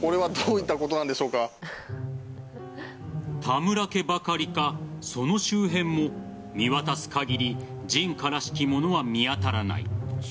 田村家ばかりか、その周辺も見渡す限り人家らしきものは見当たらない。